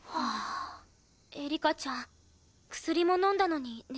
エリカちゃん薬も飲んだのに熱